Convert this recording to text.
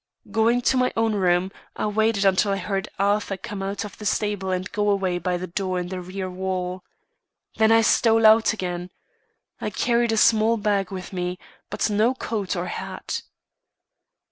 Going to my own room, I waited until I heard Arthur come out of the stable and go away by the door in the rear wall. Then I stole out again. I carried a small bag with me, but no coat or hat.